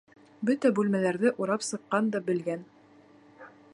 Бөтә бүлмәләрҙе урап сыҡҡан да белгән.